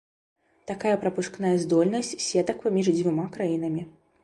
Такая прапускная здольнасць сетак паміж дзвюма краінамі.